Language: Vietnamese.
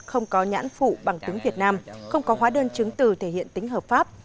không có nhãn phụ bằng tính việt nam không có hóa đơn chứng từ thể hiện tính hợp pháp